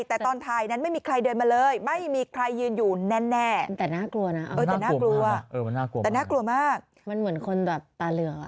แต่ตอนถ่ายนั้นไม่มีใครเดินมาเลยไม่มีใครยืนอยู่แน่แต่น่ากลัวนะแต่น่ากลัวแต่น่ากลัวมากมันเหมือนคนแบบตาเหลือง